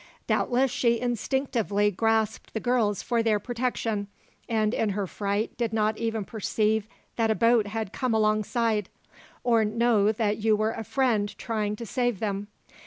Doubtless she instinctively grasped the girls for their protection, and in her fright did not even perceive that a boat had come alongside, or know that you were a friend trying to save them.